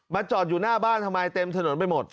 จอดอยู่หน้าบ้านทำไมเต็มถนนไปหมด